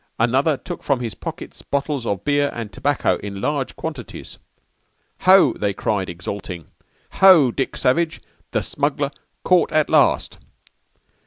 Another took from his pockets bottles of beer and tobacco in large quantities._ _"'Ho!' they cried exulting. 'Ho! Dick Savage the smugler caught at last!'